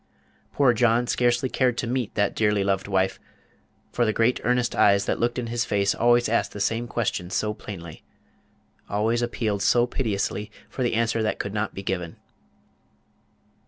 Poor John scarcely cared to meet that dearly loved wife; for the great earnest eyes that looked in his face always asked the same question so plainly always appealed so piteously for the answer that could not be given.